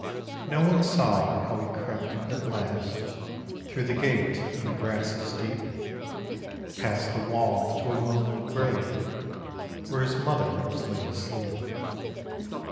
No one saw how he crept at last Through the gate and the grasses deep, Past the wall to a lonely grave Where his mother was laid asleep.